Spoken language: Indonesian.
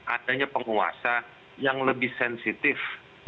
adanya penguasa yang lebih sensitif